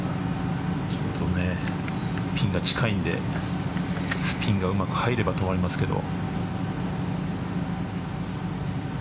ピンが近いのでスピンがうまく入れば止まりますけど。